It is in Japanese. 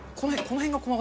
この辺が。